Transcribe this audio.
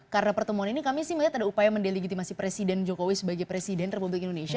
karena pertemuan ini kami sih melihat ada upaya mendeligitimasi presiden jokowi sebagai presiden republik indonesia